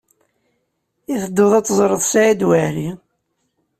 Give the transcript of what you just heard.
I tedduḍ ad teẓreḍ Saɛid Waɛli?